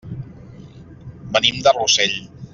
Venim de Rossell.